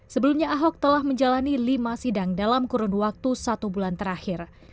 sebelumnya ahok telah menjalani lima sidang dalam kurun waktu satu bulan terakhir